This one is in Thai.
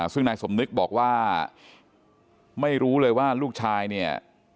ซึ่งนายสมนึกบอกว่าไม่รู้เลยว่าลูกชายเนี่ย